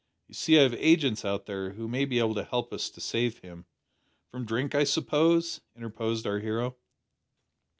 You see I have agents out there who may be able to help us to save him." "From drink, I suppose," interposed our hero.